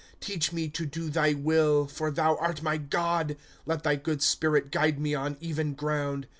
"* Teach me to do thy will. For thou art my God ; Let thy good Spirit guide me on even ground.